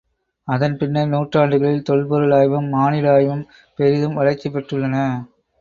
அதன் பின்னர் நூறாண்டுகளில் தொல்பொருள் ஆய்வும், மானிட ஆய்வும் பெரிதும் வளர்ச்சி பெற்றுள்ளன.